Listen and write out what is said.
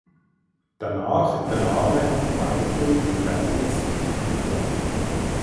Danach übernahmen Whiteley und Rowles die Führung.